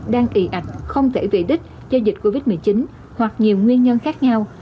đang ị ảnh không thể vệ đích do dịch covid một mươi chín hoặc nhiều nguyên nhân khác nhau